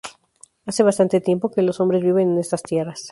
Hace bastante tiempo que los hombres viven en estas tierras.